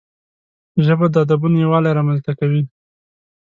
ژبه د ادبونو یووالی رامنځته کوي